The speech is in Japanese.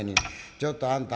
「ちょっとあんた。